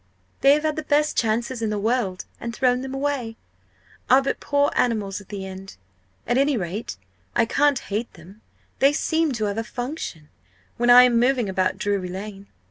They have had the best chances in the world and thrown them away are but poor animals at the end! At any rate I can't hate them they seem to have a function when I am moving about Drury Lane!"